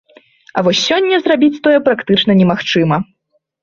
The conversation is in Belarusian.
А вось сёння зрабіць тое практычна не магчыма.